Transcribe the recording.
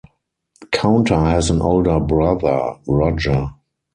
Caunter has an older brother, Roger.